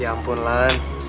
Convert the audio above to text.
ya ampun lan